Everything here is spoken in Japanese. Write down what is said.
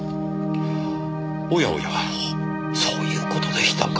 おやおやそういう事でしたか。